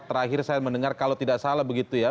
terakhir saya mendengar kalau tidak salah begitu ya